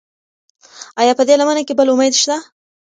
ایا په دې لمنه کې بل امید شته؟